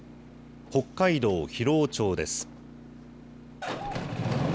北海道広尾町です。